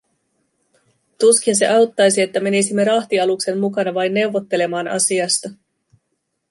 Tuskin se auttaisi, että menisimme rahtialuksen mukana vain neuvottelemaan asiasta.